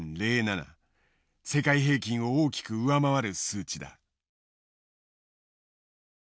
世界平均を大きく上回る数値だ。